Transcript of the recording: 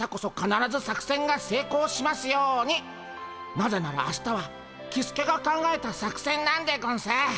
なぜなら明日はキスケが考えた作戦なんでゴンス。